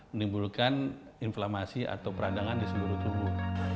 menimbulkan inflamasi atau peradangan di seluruh tubuh